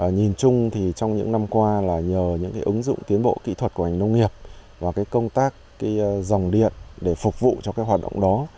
nhìn chung thì trong những năm qua là nhờ những cái ứng dụng tiến bộ kỹ thuật của hành động nông nghiệp và cái công tác cái dòng điện để phục vụ cho cái hoạt động đó